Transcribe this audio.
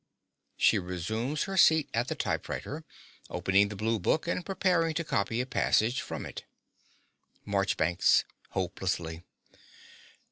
(She resumes her seat at the typewriter, opening the blue book and preparing to copy a passage from it.) MARCHBANKS (hopelessly).